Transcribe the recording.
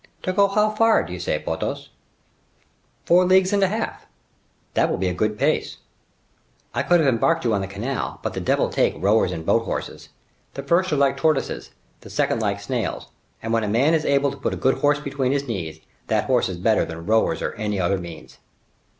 "To go how far, do you say, Porthos?" "Four leagues and a half." "That will be a good pace." "I could have embarked you on the canal, but the devil take rowers and boat horses! The first are like tortoises; the second like snails; and when a man is able to put a good horse between his knees, that horse is better than rowers or any other means."